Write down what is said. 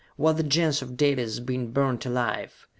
Was the Gens of Dalis being burned alive?